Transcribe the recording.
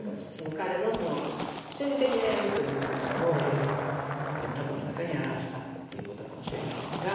彼のその心理的な闇というものをこのタブローの中に表したっていうことかもしれませんが。